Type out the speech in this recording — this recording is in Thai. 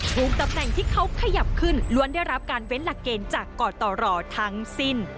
ภูมิตำแหน่งที่เขาขยับขึ้นล้วนได้รับการเว้นหลักเกณฑ์จากกตรทั้งสิ้น